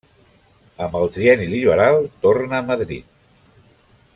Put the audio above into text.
Amb el Trienni liberal torna a Madrid.